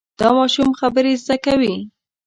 دا ماشوم خبرې زده کوي.